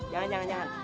jangan jangan jangan